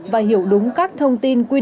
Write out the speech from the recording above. và hiểu đúng các thông tin quy định